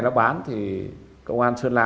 nó bán thì công an sơn la